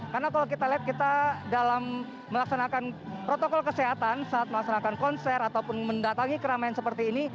karena kalau kita lihat kita dalam melaksanakan protokol kesehatan saat melaksanakan konser ataupun mendatangi keramaian seperti ini